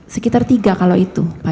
sekitar tiga kalau itu